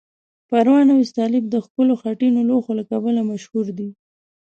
پروان او استالف د ښکلو خټینو لوښو له کبله مشهور دي.